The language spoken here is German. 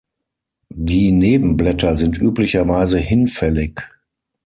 Die Nebenblätter sind üblicherweise hinfällig.